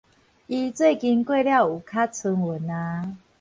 伊最近過了有較伸勻矣